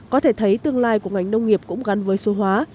có thể thấy tương lai của ngành nông nghiệp cũng gắn với số hóa